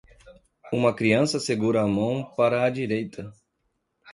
Uma criança segura a mão para a direita.